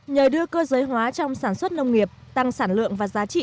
nhờ đưa cơ giới hóa trong sản xuất nông nghiệp tăng sản lượng và giá trị